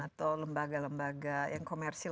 atau lembaga lembaga yang komersil